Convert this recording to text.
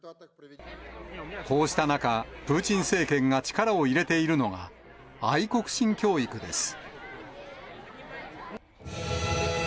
こうした中、プーチン政権が力を入れているのが、愛国心教育です。